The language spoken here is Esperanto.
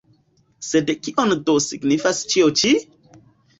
Sed kion do signifas ĉio ĉi?